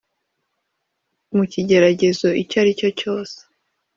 Mu kigeragezo icyo aricyo cyose